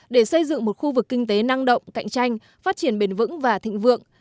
để xây dựng một khu vực kinh tế năng động cạnh tranh phát triển bền vững và thịnh vượng